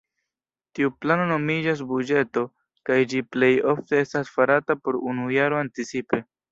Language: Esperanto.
Tiu plano nomiĝas buĝeto, kaj ĝi plej ofte estas farata por unu jaro anticipe.